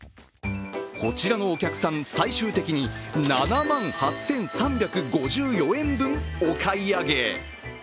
こちらのお客さん、最終的に７万８３５４円分お買い上げ。